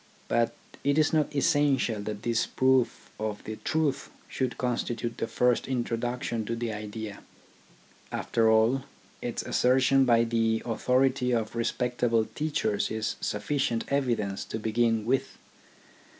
But it is not essential that this 8 THE ORGANISATION OF THOUGHT proof of the truth should constitute the first introduction to the idea. After all, its assertion by the authority of respectable teachers is sufficient evidence to begin with.